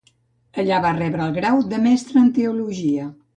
Allà va rebre el grau de mestre en Teologia.